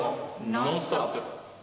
「ノンストップ！」。